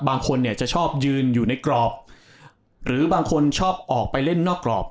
บางคนเนี่ยจะชอบยืนอยู่ในกรอบหรือบางคนชอบออกไปเล่นนอกกรอบ